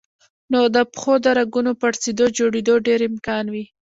نو د پښو د رګونو پړسېدو جوړېدو ډېر امکان وي